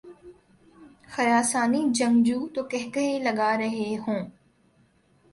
خراسانی جنگجو تو قہقہے لگارہے ہوں۔